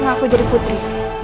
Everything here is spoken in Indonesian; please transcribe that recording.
ngaku jadi putri